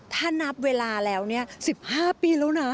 ถ้านับเวลาแล้ว๑๕ปีแล้วนะ